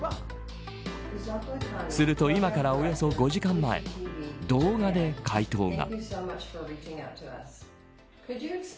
すると今からおよそ５時間前動画で回答が。